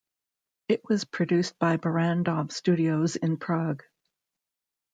It was produced by Barrandov Studios in Prague.